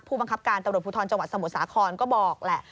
บังคับการตำรวจภูทรจังหวัดสมุทรสาครก็บอกแหละ